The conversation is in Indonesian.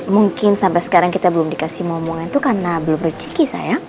mungkin sampai sekarang kita belum dikasih ngomongan itu karena belum berjeki sayang